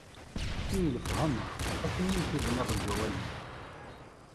Efk-iyi lefhama, akken i t-id-tenniḍ deg wawal-ik!